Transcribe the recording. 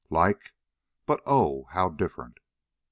Like but oh! how different.